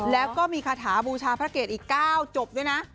แล้วก็มีคาถาบูชาพระเกตอีก๙จบด้วยนะ